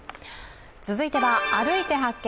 続いては「歩いて発見！